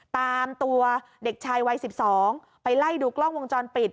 ตามตัวเด็กชายวัย๑๒ไปไล่ดูกล้องวงจรปิด